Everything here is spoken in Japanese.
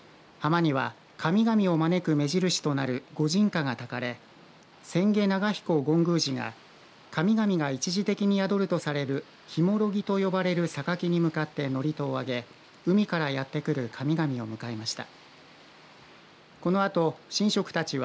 浜には神々の招く目印となる御神火がたかれ千家隆比古権宮司が神々が一時的にやどるとされる神籬と呼ばれるさかきに向かって祝詞をあげ海からやってくる神々を迎えました。